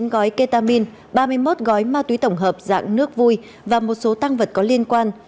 một mươi chín gói ketamin ba mươi một gói ma túy tổng hợp dạng nước vui và một số tăng vật có liên quan